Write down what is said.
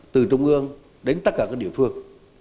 từ trung ương đến tất cả các địa phương